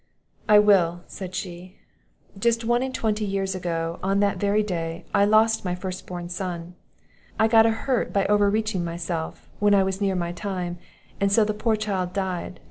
"I will," said she. "Just one and twenty years ago, on that very day, I lost my first born son; I got a hurt by over reaching myself, when I was near my time, and so the poor child died.